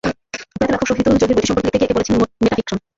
প্রয়াত লেখক শহিদুল জহির বইটি সম্পর্কে লিখতে গিয়ে একে বলেছিলেন মেটাফিকশন।